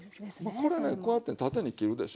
これねこうやって縦に切るでしょ